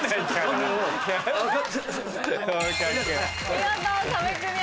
見事壁クリアです。